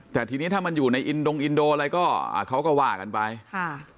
แต่ทีนี้ถ้ามันอยู่ในอินดงอินโดอะไรก็อ่าเขาก็ว่ากันไปค่ะ